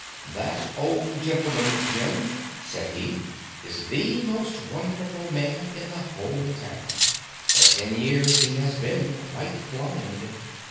"That old gentleman, Jim," said he, "is the most wonderful man in the whole town. For ten years he has been quite blind."